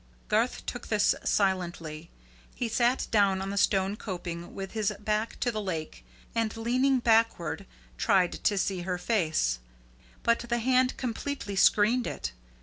Garth took this silently. He sat down on the stone coping with his back to the lake and, leaning backward, tried to see her face; but the hand completely screened it.